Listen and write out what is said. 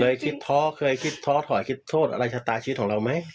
คิดท้อเคยคิดท้อถอยคิดโทษอะไรชะตาชีวิตของเราไหม